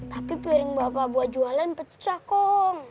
tapi piring bapak buat jualan pecah kok